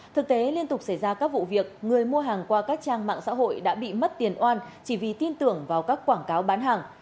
thực tế liên tục xảy ra các vụ việc người mua hàng qua các trang mạng xã hội đã bị mất tiền oan chỉ vì tin tưởng vào các quảng cáo bán hàng